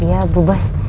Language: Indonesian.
iya bu bos